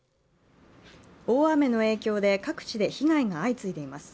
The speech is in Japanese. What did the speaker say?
大雨の影響で各地で被害が相次いでいます。